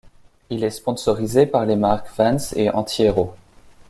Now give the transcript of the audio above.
Il est sponsorisé par les marques Vans et AntiHero.